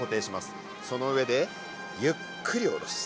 その上でゆっくり下ろす。